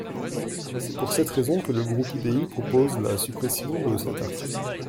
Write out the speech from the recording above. C’est pour cette raison que le groupe UDI propose la suppression de cet article.